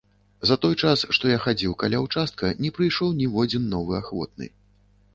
За той час, што я хадзіў, каля ўчастка, не прыйшоў ніводзін новы ахвотны.